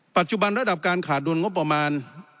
ปัจจุบันระดับการขาดดุลงบประมาณ